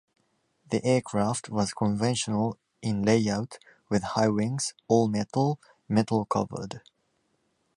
The aircraft was conventional in layout, with high wings, all-metal, metal-covered.